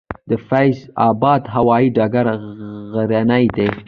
د فیض اباد هوايي ډګر غرنی دی